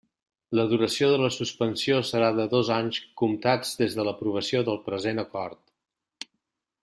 La duració de la suspensió serà de dos anys comptats des de l'aprovació del present acord.